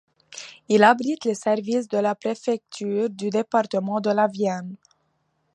Il abrite les services de la préfecture du département de la Vienne.